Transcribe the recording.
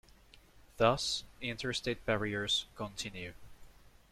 Thus, inter-state barriers continue.